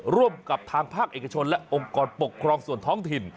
ร่วมกับทางภาคเอกชนและองค์กรปกครองส่วนท้องถิ่น